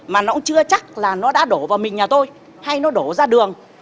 mà nó cũng chưa chắc là nó đã đổ vào mình nhà tôi hay nó đổ ra đường